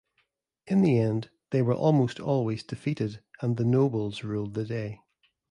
In the end, they were almost always defeated and the nobles ruled the day.